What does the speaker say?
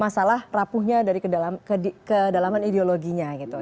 masalah rapuhnya dari kedalaman ideologinya gitu